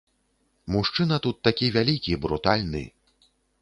Мужчына тут такі вялікі, брутальны.